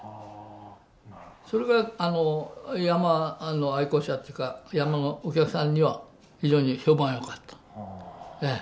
それが山の愛好者というか山のお客さんには非常に評判良かったええ。